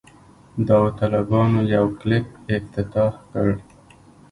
داوطلبانو یو کلب افتتاح کړ.